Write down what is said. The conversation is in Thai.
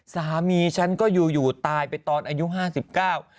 สามีฉันก็อยู่อยู่ตายไปตอนอายุห้าสิบเก้า